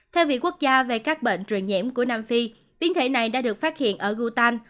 theo viện quốc gia về các bệnh truyền nhiễm của nam phi biến thể này đã được phát hiện ở gutan